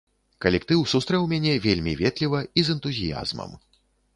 Калектыў сустрэў мяне вельмі ветліва і з энтузіязмам.